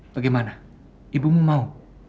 bagaimana ibumu mau